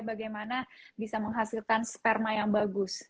bagaimana bisa menghasilkan sperma yang bagus